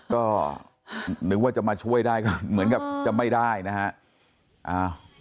ก็นึกว่าจะมาช่วยได้ก็เหมือนกับจะไม่ได้นะฮะ